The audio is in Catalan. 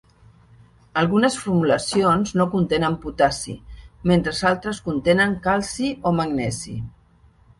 Algunes formulacions no contenen potassi, mentre altres contenen calci o magnesi.